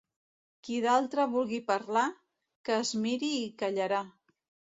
Qui d'altre vulgui parlar, que es miri i callarà.